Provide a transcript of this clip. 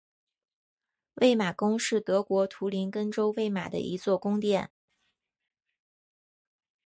魏玛宫是德国图林根州魏玛的一座宫殿。